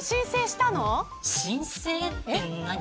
申請って何。